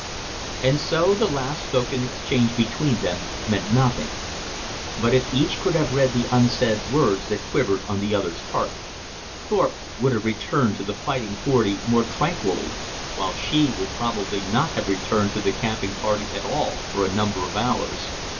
And so the last spoken exchange between them meant nothing; but if each could have read the unsaid words that quivered on the other's heart, Thorpe would have returned to the Fighting Forty more tranquilly, while she would probably not have returned to the camping party at all for a number of hours.